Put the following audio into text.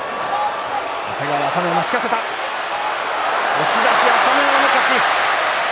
押し出し朝乃山の勝ち。